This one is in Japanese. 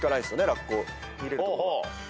ラッコ見れるところ。